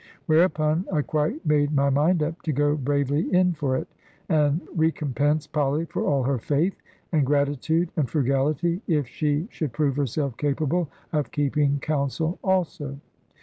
Whereupon I quite made my mind up to go bravely in for it, and recompense Polly for all her faith, and gratitude, and frugality, if she should prove herself capable of keeping counsel also.